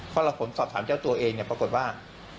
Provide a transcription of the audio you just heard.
เพราะฉะนั้นผมสอบถามเจ้าตัวเองเนี่ยปรากฏว่า